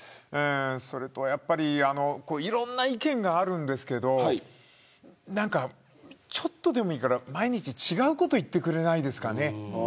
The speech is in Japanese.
それとやっぱり、いろんな意見があるんですけどちょっとでもいいから毎日違うことを言ってくれませんかね。